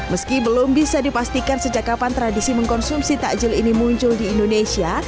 meski belum bisa dipastikan sejak kapan tradisi mengkonsumsi takjil ini muncul di indonesia